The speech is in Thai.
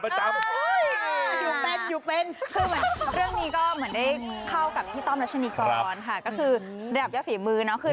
มันเป็นยังังไงอ่ะสะพายทาชเล่าให้ฟังหน่อย